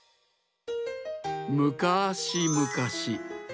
むかしむかし